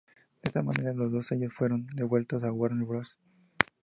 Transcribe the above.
De esta manera los dos sellos fueron devueltos a Warner Bros.